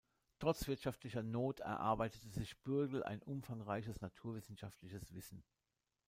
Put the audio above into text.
Trotz wirtschaftlicher Not erarbeitete sich Bürgel ein umfangreiches naturwissenschaftliches Wissen.